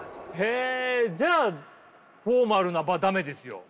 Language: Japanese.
へえじゃあフォーマルな場駄目ですよ。